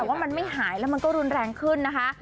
แต่ว่ามันไม่หายแล้วมันก็รุนแรงขึ้นนะคะ